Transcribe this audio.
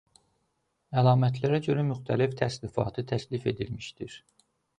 Əlamətlərə görə müxtəlif təsnifatı təklif edilmişdir.